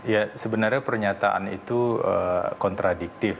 ya sebenarnya pernyataan itu kontradiktif